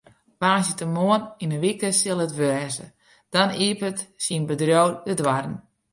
Woansdeitemoarn in wike sil it wêze, dan iepenet syn bedriuw de doarren.